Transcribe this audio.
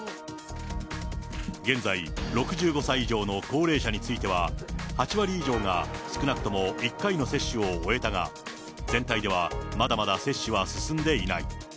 現在、６５歳以上の高齢者については、８割以上が少なくとも１回の接種を終えたが、全体ではまだまだ接種は進んでいない。